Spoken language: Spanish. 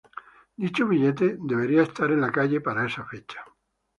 Dicho billete debería estar en la calle para esa fecha.